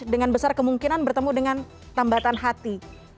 dengan besar kemungkinan bertemu dengan tambatan hati